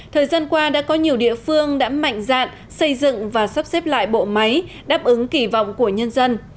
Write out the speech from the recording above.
thời gian qua đã có nhiều địa phương đã mạnh dạn xây dựng và sắp xếp lại bộ máy đáp ứng kỳ vọng của nhân dân